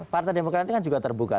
partai demokrat juga terbuka